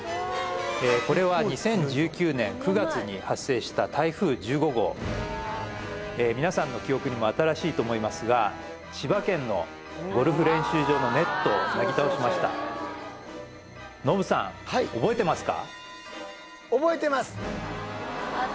これは２０１９年９月に発生した台風１５号みなさんの記憶にも新しいと思いますが千葉県のゴルフ練習場のネットをなぎ倒しましたノブさん覚えてますか？